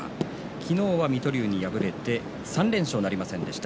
昨日は水戸龍に敗れて３連勝なりませんでした。